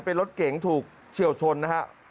เป็นรถเก๋งถูกเฉียวชนนะฮะ